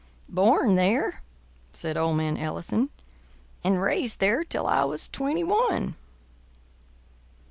"Born there," said old man Ellison, "and raised there till I was twenty one."